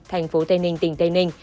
thành phố tây ninh tỉnh tây ninh